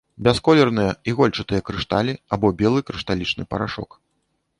Бясколерныя ігольчастыя крышталі або белы крышталічны парашок.